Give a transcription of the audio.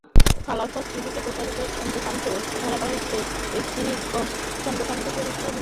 Colors টিভিতে প্রচারিত "চন্দ্রকান্ত" ধারাবাহিকে তিনি "চন্দ্রকান্ত" চরিত্রে অভিনয়ের মাধ্যমে জনপ্রিয়তা অর্জন করেছেন।